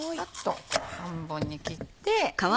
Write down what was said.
半分に切って。